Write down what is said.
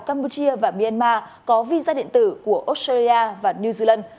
campuchia và myanmar có visa điện tử của australia và new zealand